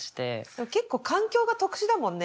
でも結構環境が特殊だもんね。